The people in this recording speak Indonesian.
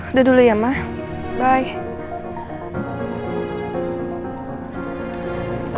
udah dulu ya ma bye